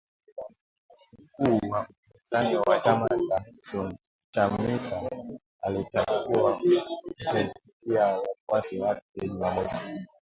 mkuu wa upinzani wa chama cha Nelson Chamisa alitakiwa kuhutubia wafuasi wake Jumamosi